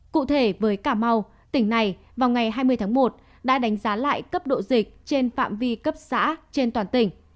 cụ thể với cà mau tỉnh này vào ngày hai mươi tháng một đã đánh giá lại cấp độ dịch trên phạm vi cấp xã trên toàn tỉnh